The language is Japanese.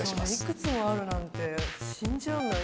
いくつもあるなんて信じらんない。